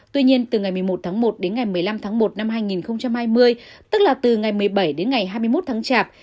tuy nhiên từ ngày một mươi một tháng một đến ngày một mươi năm tháng một năm hai nghìn hai mươi tức là từ ngày một mươi bảy đến ngày hai mươi một tháng chạp